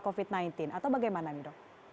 covid sembilan belas atau bagaimana nih dok